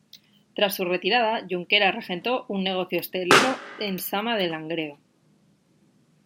Tras su retirada, Junquera regentó un negocio hostelero en Sama de Langreo.